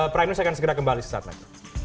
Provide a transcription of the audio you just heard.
prime news akan segera kembali sesaat lagi